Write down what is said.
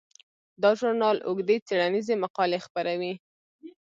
دا ژورنال اوږدې څیړنیزې مقالې خپروي.